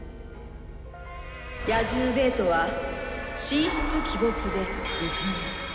野獣ベートは神出鬼没で不死身。